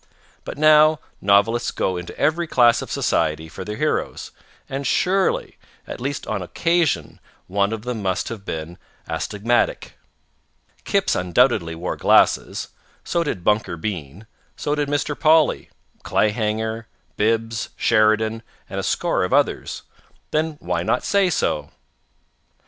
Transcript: But now novelists go into every class of society for their heroes, and surely, at least an occasional one of them must have been astigmatic. Kipps undoubtedly wore glasses; so did Bunker Bean; so did Mr. Polly, Clayhanger, Bibbs, Sheridan, and a score of others. Then why not say so?